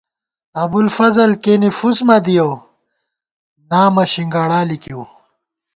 ابُوالفضل کېنے فُس مہ دِیَؤ ، نامہ شِنگاڑا لِکِیؤ